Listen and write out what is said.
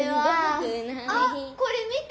あっこれ見て！